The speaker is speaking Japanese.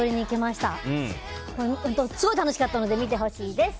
すごく楽しかったので見てほしいです。